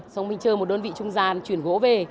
xong mình chờ một đơn vị trung gian chuyển gỗ về